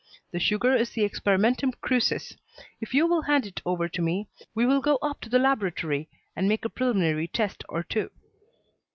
The sugar is the Experimentum Crucis. If you will hand it over to me, we will go up to the laboratory and make a preliminary test or two."